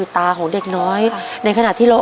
แต่จริงแล้วน้องเนี่ย